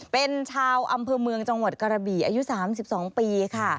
เป็นชาวอำเภอเมืองจังหวัดกระบี่อายุ๓๒ปีค่ะ